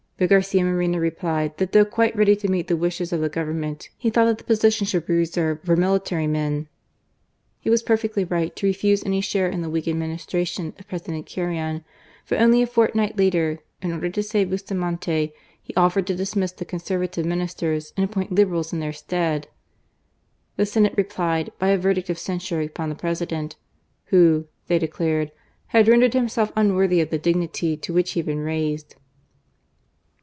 But Garcia Moreno replied J that though quite ready to meet the wishes of the | Government, he " thought that that position should • be reserved for military men," He was perfectly I right to refuse any share in the weak administration ; of President Carrion, for only a fortniglit latM,' fit order to save Bastamante, be offered to dismiss th6 Conservative Ministers and appoint Liberals'{hthe& stead. The Senate replied by a verdict' of cetisure upon the President, "who," they declared, "had rendered himself unworthy of the dignity to whicfi. he had been raised."